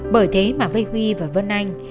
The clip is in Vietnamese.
bởi thế mà với huy và vân anh